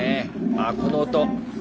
あこの音！